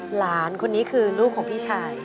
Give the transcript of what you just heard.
หลานคนนี้คือลูกของพี่ชาย